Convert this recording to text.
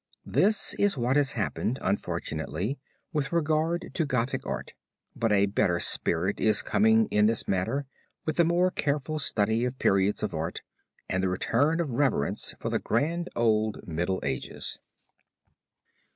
This is what has happened unfortunately with regard to Gothic art, but a better spirit is coming in this matter, with the more careful study of periods of art and the return of reverence for the grand old Middle Ages.